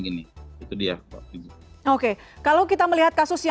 itu dia mbak prasidya